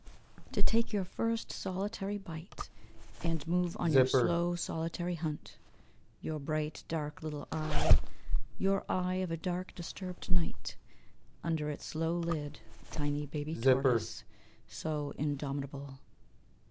To take your first solitary bite And move on your slow, solitary hunt. Your bright, dark little eye, Your eye of a dark disturbed night, Under its slow lid, tiny baby tortoise, So indomitable.